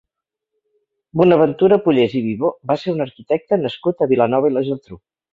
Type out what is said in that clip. Bonaventura Pollés i Vivó va ser un arquitecte nascut a Vilanova i la Geltrú.